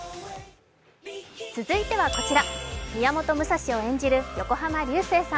続いてはこちら、宮本武蔵を演じる横浜流星さん。